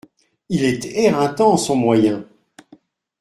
Il est éreintant, son moyen !